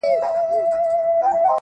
• اوس بقا د ژوند په دوو ژبو نغښتې..